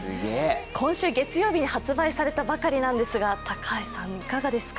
今週月曜日に発売されたばかりなんですが、いかがですか。